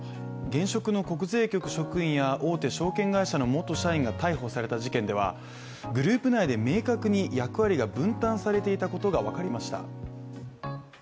現職の国税局職員や大手証券会社の元社員が逮捕された事件ではグループ内で明確に役割が分担されていたことがわかりました。